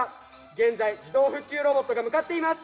現在自動復旧ロボットが向かっています。